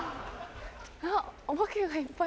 あっお化けがいっぱい。